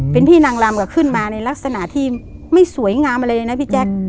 เป็นพี่นางลำขึ้นมาในลักษณะที่ไม่สวยงามอะไรเลยนะพี่แจ๊ค